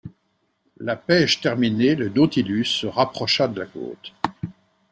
La pêche terminée, le Nautilus se rapprocha de la côte.